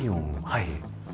はい。